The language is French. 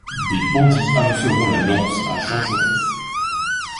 Des bandits annonceront la lance à Jean Jaurès.